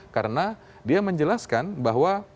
karena dia menjelaskan bahwa